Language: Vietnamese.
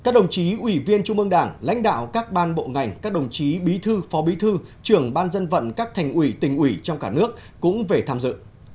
các đồng chí ủy viên trung ương đảng lãnh đạo các ban bộ ngành các đồng chí bí thư phó bí thư trưởng ban dân vận các thành ủy tỉnh ủy trong cả nước cũng về tham dự